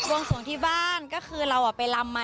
วงสวงที่บ้านก็คือเราไปลำมา